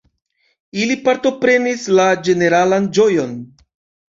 Ili partoprenis la ĝeneralan ĝojon.